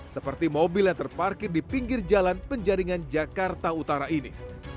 seperti mobil yang terparkir di pinggir jalan penjaringan jakarta utara ini